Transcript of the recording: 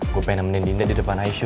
gue pengen nemenin dinda di depan icu